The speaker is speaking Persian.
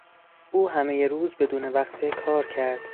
او همهی روز بدون وقفه کار کرد.